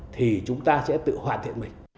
thì chúng ta sẽ tự hoàn thiện mình